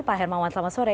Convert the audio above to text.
pak hermawan selamat sore